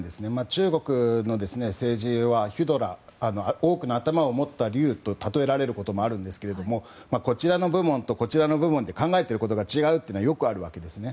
中国の政治はヒュドラ、多くの頭を持った竜と例えられることもあるんですがこちらの部門とあちらの部門で考えていることが違うというのはよくあるわけですね。